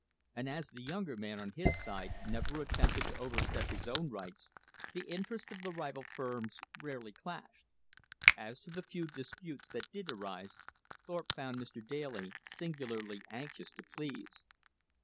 And as the younger man, on his side, never attempted to overstep his own rights, the interests of the rival firms rarely clashed. As to the few disputes that did arise, Thorpe found Mr. Daly singularly anxious to please.